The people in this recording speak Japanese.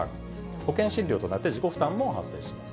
保険診療となって、自己負担も発生します。